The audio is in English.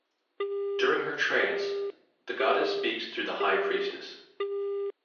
During her trance, the Goddess speaks through the High Priestess.